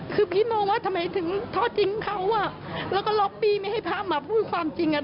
คือพี่มองว่าทำไมถึงทอดทิ้งเขาอ่ะแล้วก็ล็อปปี้ไม่ให้พระมาพูดความจริงอ่ะ